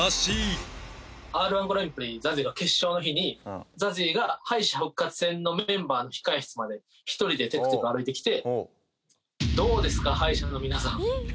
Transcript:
Ｒ−１グランプリＺＡＺＹが決勝の日にＺＡＺＹが敗者復活戦のメンバーの控室まで１人でテクテク歩いてきて。